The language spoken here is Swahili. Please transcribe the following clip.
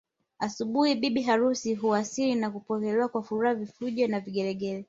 Asubuhi bibi harusi huwasili na kupokelewa kwa furaha vifijo na vigelegele